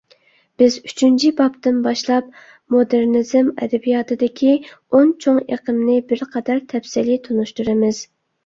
بىز ئۈچىنچى بابتىن باشلاپ مودېرنىزم ئەدەبىياتىدىكى ئون چوڭ ئېقىمنى بىرقەدەر تەپسىلىي تونۇشتۇرىمىز.